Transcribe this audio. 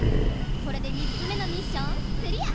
これで３つ目のミッションクリア。